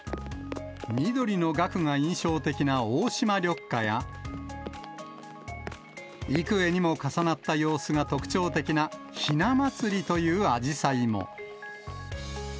緑のがくが印象的な大島緑花や、幾重にも重なった様子が特徴的なひな祭りというアジサイも。